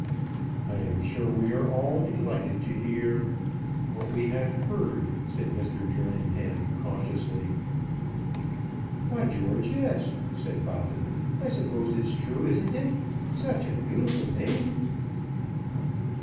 "I am sure we are all delighted to hear what we have heard," said Mr. Jerningham cautiously. "By George, yes," said Bobbin. "I suppose it's true; isn't it? Such a beautiful name!"